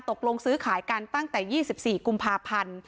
ตกลงซื้อขายกันตั้งแต่๒๔กุมภาพันธ์